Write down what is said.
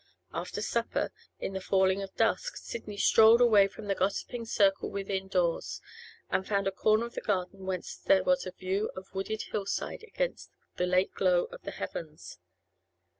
After supper, in the falling of the dusk, Sidney strolled away from the gossiping circle within doors, and found a corner of the garden whence there was a view of wooded hillside against the late glow of the heavens.